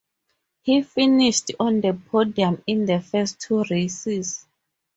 He finished on the podium in the first two races.